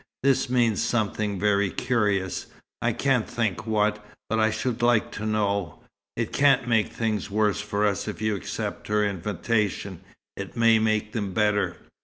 This means something very curious, I can't think what. But I should like to know. It can't make things worse for us if you accept her invitation. It may make them better.